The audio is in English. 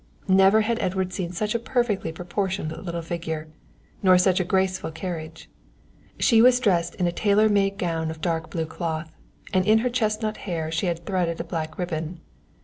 Never had Edward seen such a perfectly proportioned little figure, nor such a graceful carriage. She was dressed in a tailor made gown of dark blue cloth, and in her chestnut hair she had threaded a black ribbon.